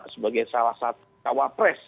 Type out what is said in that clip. sebagai salah satu tawapres